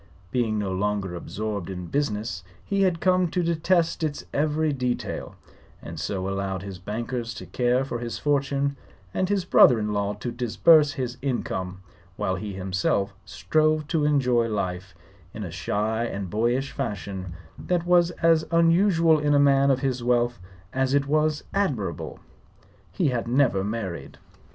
Being no longer absorbed in business, he had come to detest its every detail, and so allowed his bankers to care for his fortune and his brother in law to disburse his income, while he himself strove to enjoy life in a shy and boyish fashion that was as unusual in a man of his wealth as it was admirable. He had never married.